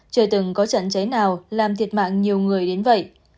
trời từng có chẳng cháy nào làm thiệt mạng nhiều người đến vậy